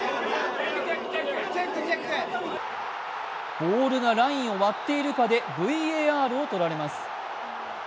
ボールがラインを割っているかでＶＡＲをとられます。